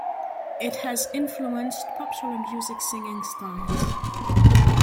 It has influenced popular music singing styles.